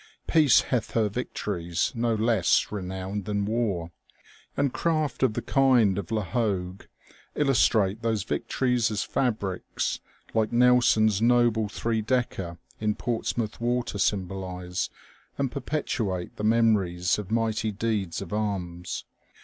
Peace hath her victories, no less renowned than war," and craft of the kind of La Ilogue illustrate those victories as fabrics like Nelson's noble three decker in Portsmouth Water symbolize and perpetuate the memo ries of mighty deeds of arms.